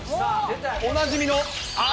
おなじみの熱